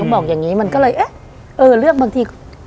บอกอย่างนี้มันก็เลยเอ๊ะเออเลือกบางที